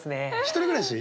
１人暮らし？